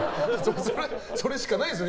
それしかないでしょ。